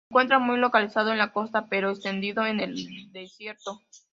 Se encuentra muy localizado en la costa, pero extendido en el desierto.